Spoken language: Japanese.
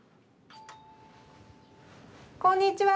こんにちは。